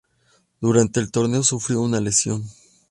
Durante el torneo sufrió una lesión.